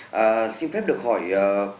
cảm ơn các bạn đã theo dõi